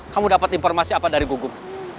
kamu dapat informasi apa dari gugup